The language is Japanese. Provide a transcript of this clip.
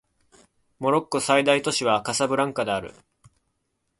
モロッコの最大都市はカサブランカである